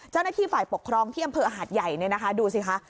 เจ้าหน้าที่ฝ่ายปกครองที่อำเภอหาดใหญ่ดูสิค่ะ